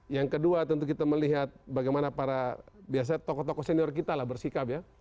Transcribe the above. yang kedua tentu kita melihat bagaimana para biasanya tokoh tokoh senior kita lah bersikap ya